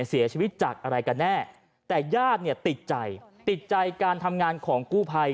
เสียชีวิตจากอะไรกันแน่แต่ยาดติดใจการทำงานของกู้ภัย